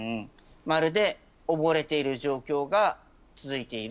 まるで溺れている状況が続いている。